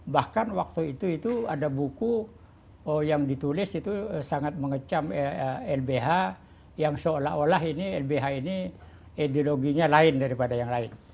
bahkan waktu itu itu ada buku yang ditulis itu sangat mengecam lbh yang seolah olah ini lbh ini ideologinya lain daripada yang lain